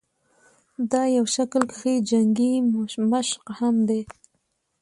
دا يو شکل کښې جنګي مشق هم دے